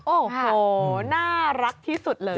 โอ้โหน่ารักที่สุดเลย